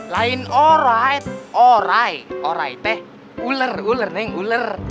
lain orai orai orai teh uler uler neng uler